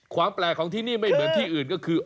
ความแปลกของที่นี่ไม่เหมือนที่อื่นก็คือ